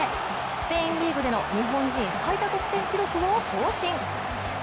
スペインリーグでの日本人最多得点記録を更新。